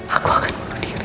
aku akan bunuh diri